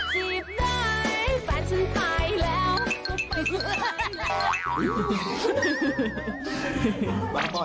จีบแล้วเขาก็ไม่รู้